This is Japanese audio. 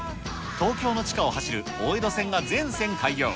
東京の地下を走る大江戸線が全線開業。